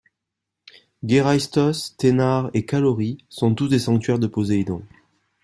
Geraistos, Ténare et Calaurie sont tous des sanctuaires de Poseidon.